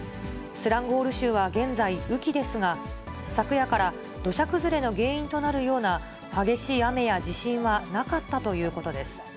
スランゴール州は現在雨季ですが、昨夜から土砂崩れの原因となるような激しい雨や地震はなかったということです。